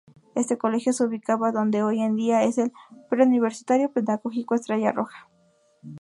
Este colegio se ubicaba donde hoy en día es el Preuniversitario Pedagógico Estrella Roja.